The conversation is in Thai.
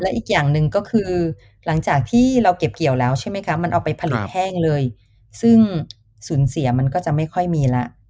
อีกอย่างหนึ่งก็คือหลังจากที่เราเก็บเกี่ยวแล้วใช่ไหมคะมันเอาไปผลิตแห้งเลยซึ่งสูญเสียมันก็จะไม่ค่อยมีแล้ว